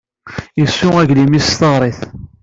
Yesseww aglim-is s teɣrit.